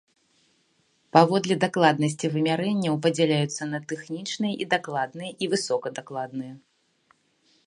Паводле дакладнасці вымярэнняў падзяляюцца на тэхнічныя і дакладныя і высокадакладныя.